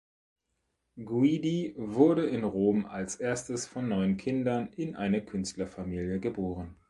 Guidi wurde in Rom als erstes von neun Kindern in eine Künstlerfamilie geboren.